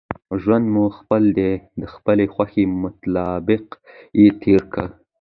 ژوند مو خپل دئ، د خپلي خوښي مطابق ئې تېر که!